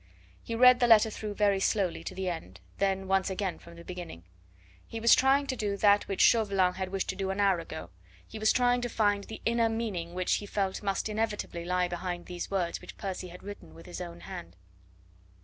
He read the letter through very slowly to the end, then once again from the beginning. He was trying to do that which Chauvelin had wished to do an hour ago; he was trying to find the inner meaning which he felt must inevitably lie behind these words which Percy had written with his own hand.